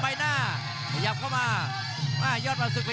อย่าหลวนนะครับที่เตือนทางด้านยอดปรับศึกครับ